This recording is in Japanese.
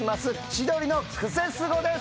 『千鳥のクセスゴ！』です。